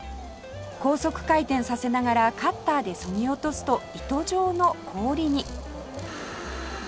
高速回転させながらカッターでそぎ落とすと糸状の氷に